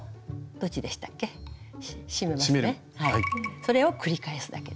それを繰り返すだけです。